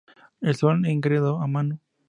El Sol engendró a Manu.